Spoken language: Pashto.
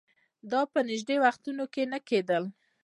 دا په نژدې وختونو کې نه کېدل